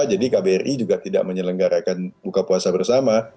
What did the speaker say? jadi kbri juga tidak menyelenggarakan buka puasa bersama